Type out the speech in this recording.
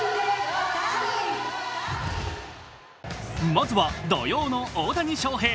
まずは土曜の大谷翔平